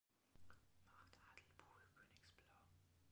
Macht Hartlepool Königsblau.